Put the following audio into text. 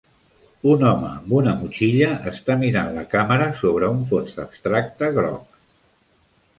un home amb una motxilla està mirant la càmera sobre un fons abstracte groc